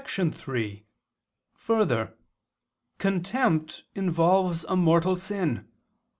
3: Further, contempt involves a mortal sin.